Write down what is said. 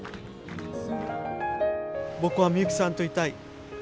僕はミユキさんといたい。